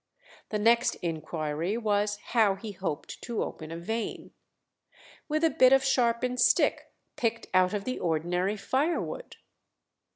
The next inquiry was how he hoped to open a vein. "With a bit of sharpened stick picked out of the ordinary firewood."